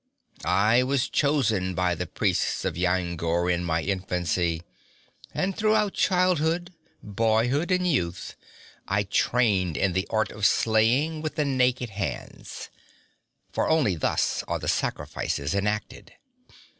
I was chosen by the priests of Yajur in my infancy, and throughout childhood, boyhood and youth I trained in the art of slaying with the naked hands for only thus are the sacrifices enacted.